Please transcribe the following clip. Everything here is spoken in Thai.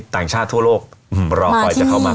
ต่างชาติทั่วโลกรอคอยจะเข้ามา